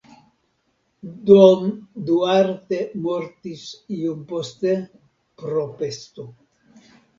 Dom Duarte mortis iom poste pro pesto.